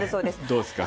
どうですか？